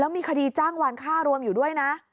มีคดีจ้างวานค่ารวมอยู่ด้วยนะ